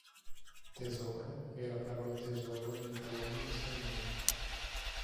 Tesoro è la parola tesoro in italiano e spagnolo.